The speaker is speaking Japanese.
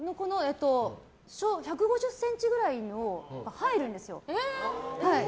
１５０ｃｍぐらいのが入るんですよ。